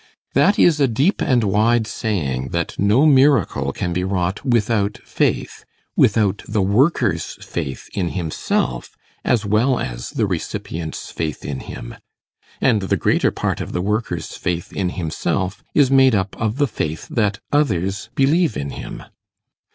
That is a deep and wide saying, that no miracle can be wrought without faith without the worker's faith in himself, as well as the recipient's faith in him. And the greater part of the worker's faith in himself is made up of the faith that others believe in him.